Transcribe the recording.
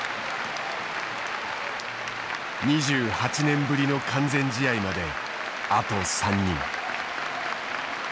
２８年ぶりの完全試合まであと３人。